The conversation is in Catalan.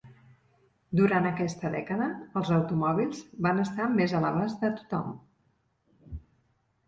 Durant aquesta dècada, els automòbils van estar més a l'abast de tothom.